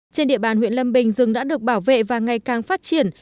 trên địa bàn huyện lâm bình rừng đã được bảo vệ và ngày càng phát triển